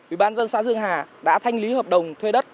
ubnd xã dương hà đã thanh lý hợp đồng thuê đất